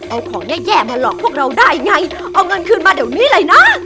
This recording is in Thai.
เอาของแย่มาหลอกพวกเราได้ไงเอาเงินคืนมาเดี๋ยวนี้เลยนะ